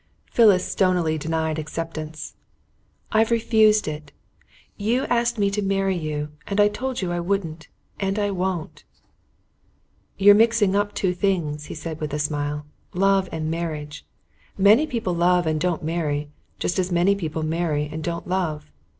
Phyllis stonily denied acceptance. "I've refused it. You've asked me to marry you and I told you I wouldn't. And I won't." "You're mixing up two things," he said, with a smile. "Love and marriage. Many people love and don't marry, just as many marry and don't love.